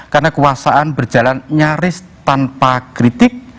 karena kekuasaan berjalan nyaris tanpa kritik